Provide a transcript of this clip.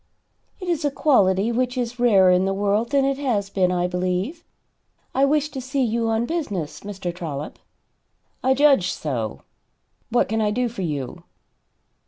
"It is a quality which is rarer in the world than it has been, I believe. I wished to see you on business, Mr. Trollop." "I judged so. What can I do for you?"